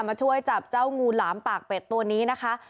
มาช่วยจับเจ้างูหลามปากเป็ดตัวนี้นะคะ